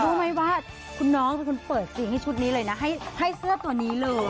รู้ไหมว่าคุณน้องเป็นคนเปิดซีนให้ชุดนี้เลยนะให้เสื้อตัวนี้เลย